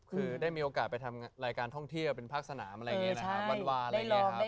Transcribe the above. คือได้มีโอกาสไปทำรายการท่องเที่ยวเป็นภาคสนามอะไรอย่างนี้นะครับ